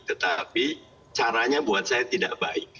tetapi caranya buat saya tidak baik